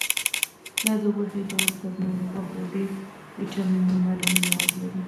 دا د غوښې ډول تر نورو غوښو ډېر ویټامینونه او معدني مواد لري.